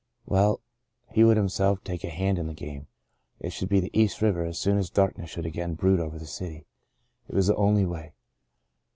Well, he would himself take a hand in the game. It should be the East River as soon as darkness should again brood over the city. It was the only way.